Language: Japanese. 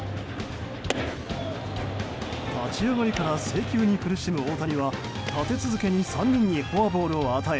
立ち上がりから制球に苦しむ大谷は立て続けに３人にフォアボールを与え